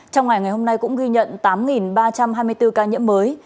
trong ngày ngày hôm nay cũng ghi nhận tám ba trăm hai mươi bốn ca nhiễm mới